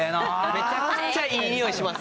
めちゃくちゃいい匂いします。